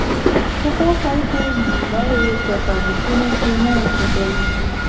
پخوا خلکو مړي په تابوتونو کې نه اېښودل.